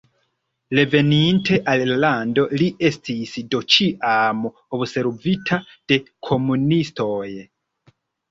Reveninte al la lando li estis do ĉiam observita de komunistoj.